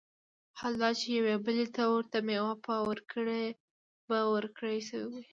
حال دا چي يوې بلي ته ورته مېوې به وركړى شوې وي